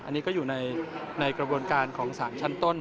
อันนี้ก็อยู่ในกระบวนการของสารชั้นต้น